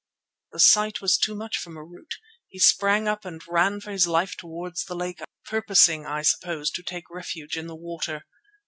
The sight was too much for Marût. He sprang up and ran for his life towards the lake, purposing, I suppose, to take refuge in the water.